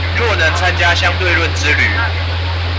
若能參加相對論之旅